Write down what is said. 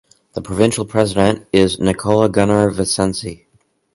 The provincial president is Nicola Gunnar Vincenzi.